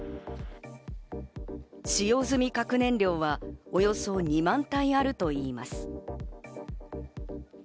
使用済み核燃料はおよそ２万体あるといいます。